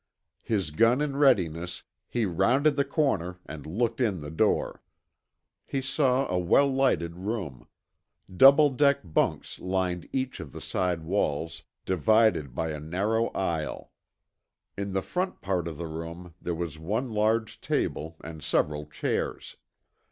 His gun in readiness, he rounded the corner and looked in the door. He saw a well lighted room. Double deck bunks lined each of the side walls, divided by a narrow aisle. In the front part of the room there was one large table, and several chairs.